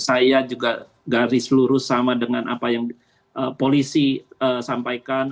saya juga garis lurus sama dengan apa yang polisi sampaikan